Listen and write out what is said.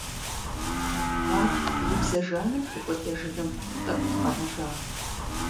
Ар и бзэ жаным текӀуэдэжыным тӀэкӀут къэнэжар.